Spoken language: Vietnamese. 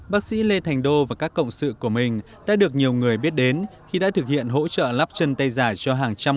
bác sĩ lê thành đô và các cộng sự của mình đã được nhiều người biết đến khi đã thực hiện hỗ trợ lắp chân tay giả cho hàng trăm